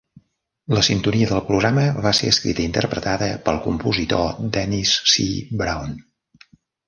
La sintonia del programa va ser escrita i interpretada pel compositor Dennis C. Brown.